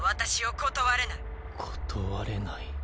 断れない。